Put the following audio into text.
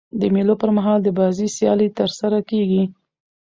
د مېلو پر مهال د بازۍ سیالۍ ترسره کیږي.